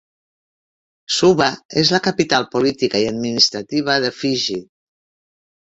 Suva és la capital política i administrativa de Fiji.